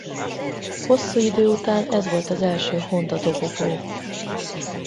Hosszú idő után ez volt az első Honda-dobogó.